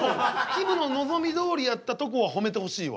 きむの望みどおりやったとこはほめてほしいわ。